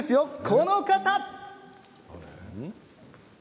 この方。